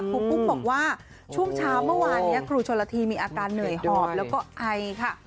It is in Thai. ปุ๊กบอกว่าช่วงเช้าเมื่อวานนี้ครูชนละทีมีอาการเหนื่อยหอบแล้วก็ไอค่ะ